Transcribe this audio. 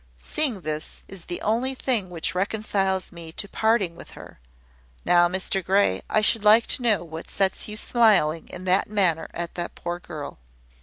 Seeing this, is the only thing which reconciles me to parting with her. Now, Mr Grey, I should like to know what sets you smiling in that manner at the poor girl."